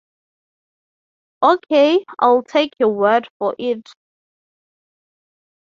Okay, I'll take your word for it.